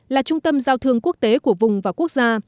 là trung tâm giao thương quốc tế của vùng và quốc gia